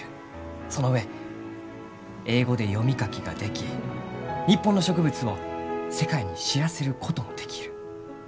その上英語で読み書きができ日本の植物を世界に知らせることもできる。